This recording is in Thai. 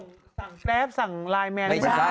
สั่งแบบสั่งไลน์แมน